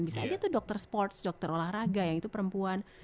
bisa aja tuh dokter sports dokter olahraga yang itu perempuan